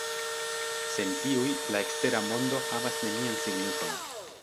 Sen tiuj, la ekstera mondo havas nenian signifon.